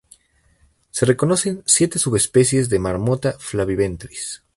Se reconocen siete subespecies de "Marmota flaviventris".